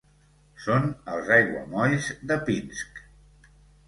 Són els aiguamolls de Pinsk.